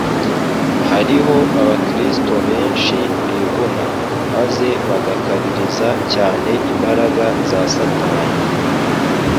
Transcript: Hariho abakristo benshi bivuna, maze bagakabiriza cyane imbaraga za Satani.